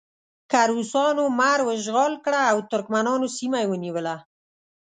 که روسانو مرو اشغال کړه او ترکمنانو سیمه یې ونیوله.